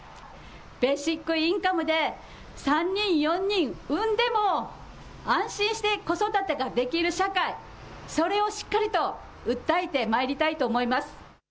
ベーシックインカムで３人、４人産んでも安心して子育てができる社会、それをしっかりと訴えてまいりたいと思います。